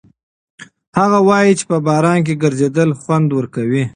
هغه وایي چې په باران کې ګرځېدل خوند ورکوي.